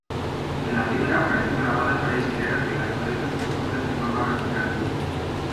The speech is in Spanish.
En la piedra aparecen grabadas varias hileras de cazoletas dispuestas de forma vertical.